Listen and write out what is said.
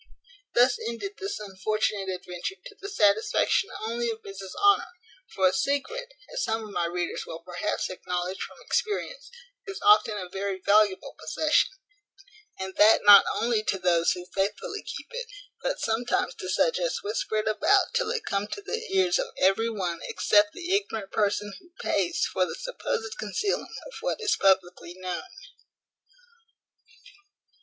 Thus ended this unfortunate adventure to the satisfaction only of Mrs Honour; for a secret (as some of my readers will perhaps acknowledge from experience) is often a very valuable possession: and that not only to those who faithfully keep it, but sometimes to such as whisper it about till it come to the ears of every one except the ignorant person who pays for the supposed concealing of what is publickly known.